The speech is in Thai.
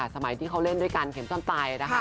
สมัยที่เขาเล่นด้วยกันเข็มต้อนตาย